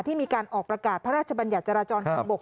ที่มีการออกประกาศพระราชบัญญัติจราจรทางบก